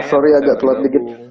sorry agak telat dikit